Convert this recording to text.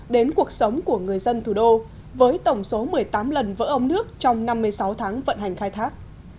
đến cuộc sống của người dân thủ đô với tổng số một mươi tám lần vỡ ông nước trong năm mươi sáu tháng vận hành khai thác